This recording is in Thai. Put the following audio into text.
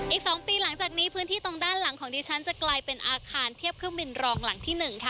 อีก๒ปีหลังจากนี้พื้นที่ตรงด้านหลังของดิฉันจะกลายเป็นอาคารเทียบเครื่องบินรองหลังที่๑ค่ะ